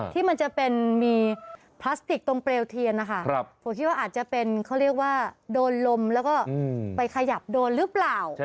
ที่มันจะเป็นมีพลาสติกตรงเปลวเทียนนะคะผมคิดว่าอาจจะเป็นเขาเรียกว่าโดนลมแล้วก็ไปขยับโดนหรือเปล่า